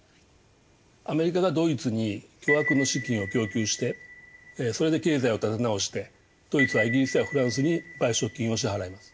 アメリカがドイツに巨額の資金を供給してそれで経済を立て直してドイツはイギリスやフランスに賠償金を支払います。